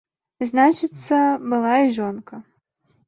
Значыцца, была і жонка.